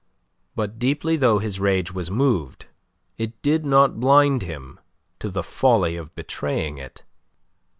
But deeply though his rage was moved, it did not blind him to the folly of betraying it.